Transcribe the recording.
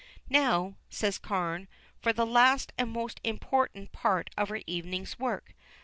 "Now," said Carne, "for the last and most important part of our evening's work.